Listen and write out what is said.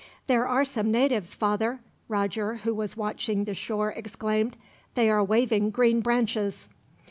"There are some natives, father," Roger, who was watching the shore, exclaimed. "They are waving green branches."